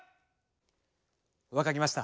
分かりました。